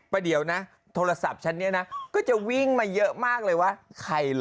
เดี๋ยวนะโทรศัพท์ฉันเนี่ยนะก็จะวิ่งมาเยอะมากเลยว่าใครเหรอ